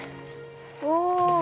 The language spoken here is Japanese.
お。